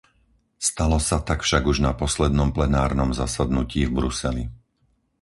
Stalo sa tak však už na poslednom plenárnom zasadnutí v Bruseli.